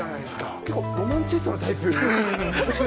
結構ロマンチストなタイプ？